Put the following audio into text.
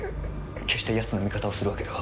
決してヤツの味方をするわけでは。